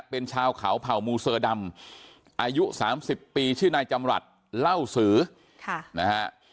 เป็นชาวเขาเผ่ามูเซอร์ดำอายุ๓๐ปีชื่อนายจำรัฐเล่าสือนะฮะ